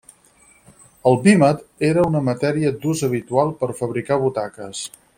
El vímet era una matèria d'ús habitual per fabricar butaques.